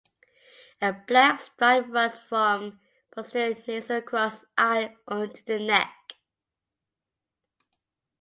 A black stripe runs from posterior nasal across eye until the neck.